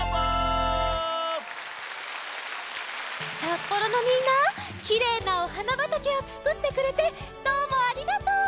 札幌のみんなきれいなお花ばたけをつくってくれてどうもありがとう！